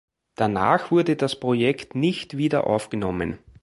Danach wurde das Projekt nicht wieder aufgenommen.